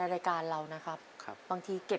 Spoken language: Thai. ขอเชิญปูชัยมาตอบชีวิตเป็นคนต่อไปครับ